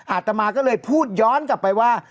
อาตมาก็เลยพูดย้อนกลับไปว่า